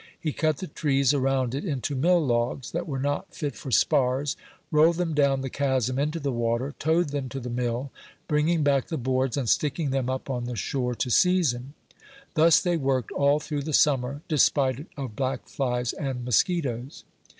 He cut the trees around it into mill logs that were not fit for spars, rolled them down the chasm into the water, towed them to the mill, bringing back the boards, and sticking them up on the shore to season. Thus they worked all through the summer, despite of black flies and mosquitos.